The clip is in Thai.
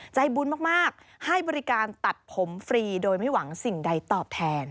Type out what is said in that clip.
ใจบุญมากให้บริการตัดผมฟรีโดยไม่หวังสิ่งใดตอบแทน